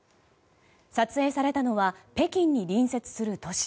撮影されたのは北京に隣接する都市。